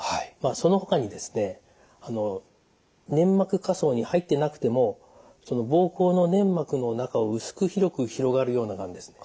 そのほかにですね粘膜下層に入ってなくてもその膀胱の粘膜の中を薄く広く広がるようながんですね。